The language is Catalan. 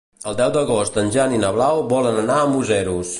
El deu d'agost en Jan i na Blau volen anar a Museros.